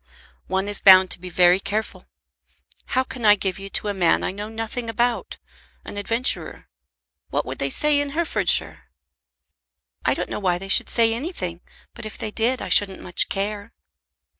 "One is bound to be very careful. How can I give you to a man I know nothing about, an adventurer? What would they say in Herefordshire?" "I don't know why they should say anything, but if they did I shouldn't much care."